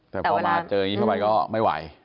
แต่พอมาเจอกันกี่สักวันก็ไม่ไหว